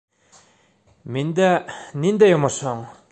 - Миндә... ниндәй йомошоң?